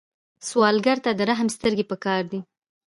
سوالګر ته د رحم سترګې پکار دي